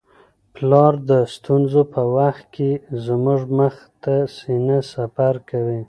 پلار د ستونزو په وخت کي زموږ مخ ته سینه سپر کوي.